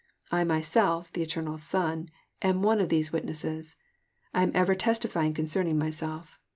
I myself, the Eternal Son, am one of these witnesses: I am ever testifying concerning my self.